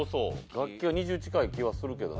楽器は２０近い気はするけどね。